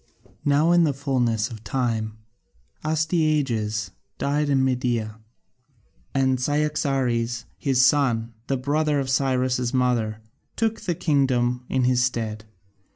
Now in the fullness of time Astyages died in Media, and Cyaxares his son, the brother of Cyrus' mother, took the kingdom in his stead.